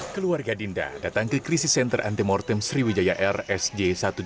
keluarga dinda datang ke krisis center anti mortem sriwijaya air sj satu ratus delapan puluh